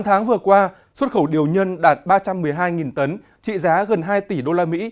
chín tháng vừa qua xuất khẩu điều nhân đạt ba trăm một mươi hai tấn trị giá gần hai tỷ usd